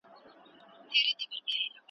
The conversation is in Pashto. نه په یخ نه په ګرمي کي سو فارغ له مصیبته .